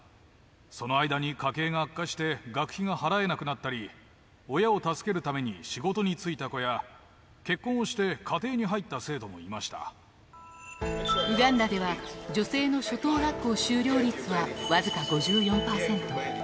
その間に家計が悪化して学費が払えなくなったり、親を助けるために仕事に就いた子や、結婚をして家庭に入った生徒ウガンダでは、女性の初等学校修了率は僅か５４％。